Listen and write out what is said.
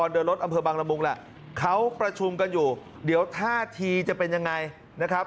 เดินรถอำเภอบังละมุงแหละเขาประชุมกันอยู่เดี๋ยวท่าทีจะเป็นยังไงนะครับ